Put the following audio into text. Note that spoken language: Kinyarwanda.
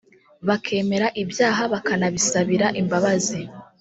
bakemera ibyaha bakanabisabira imbabazi